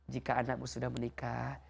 jika anakmu sudah menikah